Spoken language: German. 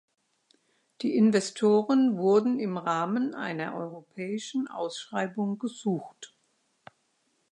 Die Investoren wurden im Rahmen einer europäischen Ausschreibung gesucht.